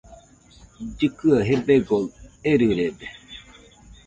Llɨkɨaɨ gebegoɨ erɨrede.